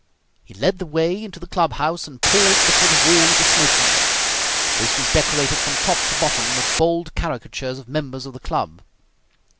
He led the way into the club house, and paused before the wall of the smoking room. This was decorated from top to bottom with bold caricatures of members of the club.